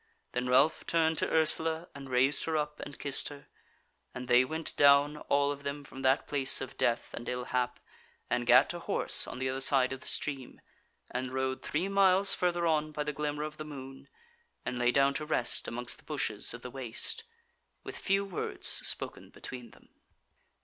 Then Ralph turned to Ursula and raised her up and kissed her, and they went down all of them from that place of death and ill hap, and gat to horse on the other side of the stream, and rode three miles further on by the glimmer of the moon, and lay down to rest amongst the bushes of the waste, with few words spoken between them.